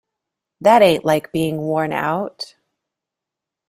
That ain't like being worn out.